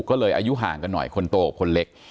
ก็เลยอายุห่างกันหน่อยคนโตกับคนเล็ก